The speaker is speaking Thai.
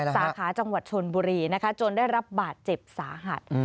สาขาจังหวัดชนบุรีนะคะจนได้รับบาดเจ็บสาหัส